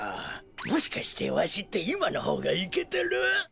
もしかしてわしっていまのほうがいけてる？